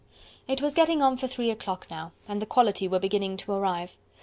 It was getting on for three o clock now, and the quality were beginning to arrive.